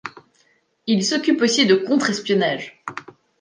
Il s’occupe aussi de contre-espionnage.